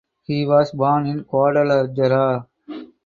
He was born in Guadalajara.